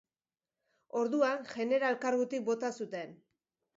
Orduan, jeneral kargutik bota zuten.